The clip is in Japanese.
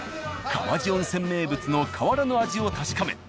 川治温泉名物の変わらぬ味を確かめ